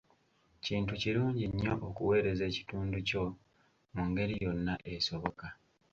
Kintu kirungi nnyo okuweereza ekitundu kyo mu ngeri yonna esoboka.